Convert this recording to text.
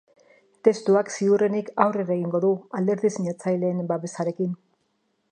Testuak, ziurrenik, aurrera egingo du alderdi sinatzaileen babesarekin.